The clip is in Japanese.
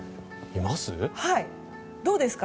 どうですか？